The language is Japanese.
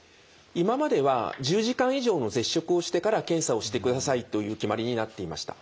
今までは１０時間以上の絶食をしてから検査をしてくださいという決まりになっていました。